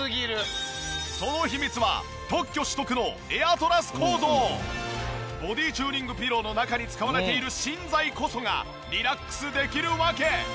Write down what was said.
その秘密は特許取得のボディチューニングピローの中に使われている芯材こそがリラックスできる訳！